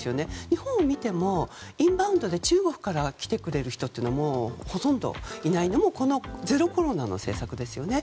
日本を見てもインバウンドで中国から来てくれる人がほとんどいないのも、このゼロコロナの政策ですよね。